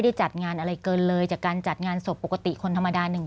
จัดงานอะไรเกินเลยจากการจัดงานศพปกติคนธรรมดาหนึ่ง